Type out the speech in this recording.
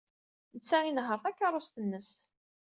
Netta inehheṛ takeṛṛust-nnes.